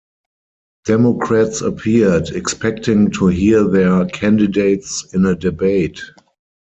Democrats appeared, expecting to hear their candidates in a debate.